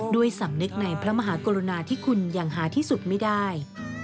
ด้วยสำนึกในพระมหากรุณาที่คุณอย่างหาที่สุดไม่ได้